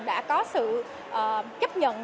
và đã có sự chấp nhận